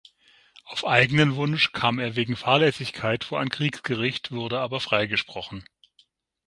Auf eigenen Wunsch kam er wegen Fahrlässigkeit vor ein Kriegsgericht, wurde aber freigesprochen.